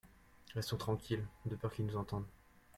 Restons tranquille de peur qu'il nous entende.